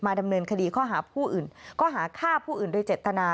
ดำเนินคดีข้อหาผู้อื่นข้อหาฆ่าผู้อื่นโดยเจตนา